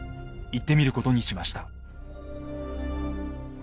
行ってみることにしました。